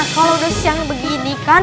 kalau udah siang begini kan